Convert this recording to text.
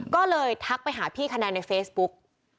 ก็เลยทักไปหาพี่คะแนนในเฟซบุ๊ก